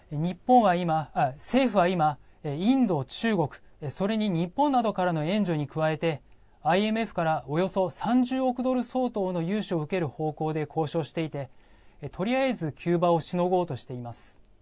政府は今インド、中国、それに日本などからの援助に加えてＩＭＦからおよそ３０億ドル相当の融資を受ける方向で交渉していてとりあえず急場をしのごうとしています。